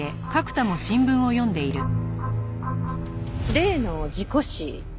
例の事故死。